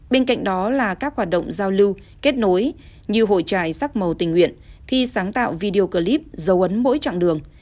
bên cạnh đó là các hoạt động giao lưu kết nối như hội trại sắc màu tình nguyện thi sáng tạo video clip dấu ấn mỗi chặng đường